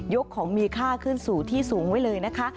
กของมีค่าขึ้นสู่ที่สูงไว้เลยนะคะ